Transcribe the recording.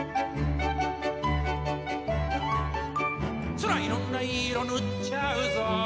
「そらいろんないい色ぬっちゃうぞ」